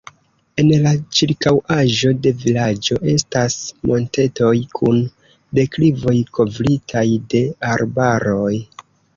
En la ĉirkaŭaĵo de vilaĝo estas montetoj kun deklivoj kovritaj de arbaroj.